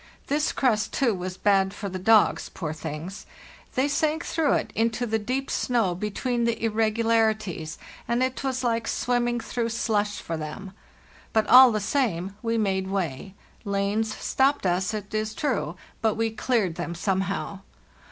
This crust, too, was bad for the dogs, poor things! They sank through it into the deep snow between the irregulari ties, and it was like swimming through slush for them. But all the same we made way. Lanes stopped us, it is true, but we cleared them somehow.